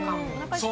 そう。